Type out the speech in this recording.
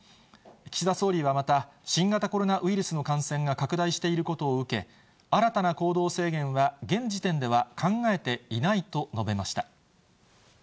岸田総理はまた、新型コロナウイルスの感染が拡大していることを受け、新たな行動制限は、現時点では考えていないと述べました。